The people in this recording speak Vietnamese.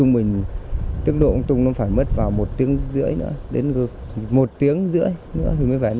mình tức độ cũng phải mất vào một tiếng rưỡi nữa đến gần một tiếng rưỡi nữa thì mới về nhà